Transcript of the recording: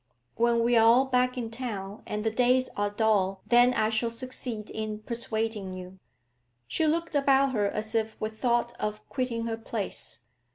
When we are all back in town and the days are dull, then I shall succeed in persuading you.' She looked about her as if with thought of quitting her place.